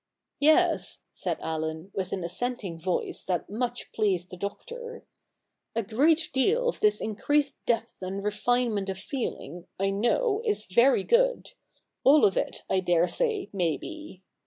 'Yes,' said Allen with an assenting voice that much pleased the Doctor, • a great deal of this increased depth and refinement of feeling, I know, is very good — all of it, I dare say, may be.